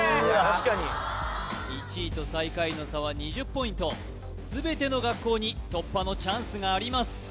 確かに１位と最下位の差は２０ポイント全ての学校に突破のチャンスがあります